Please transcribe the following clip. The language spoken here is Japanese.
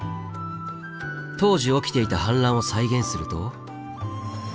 当時起きていた氾濫を再現すると。